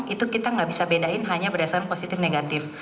itu kita nggak bisa bedain hanya berdasarkan positif negatif